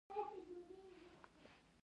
بوټونه د خندا او خوښۍ سبب کېږي.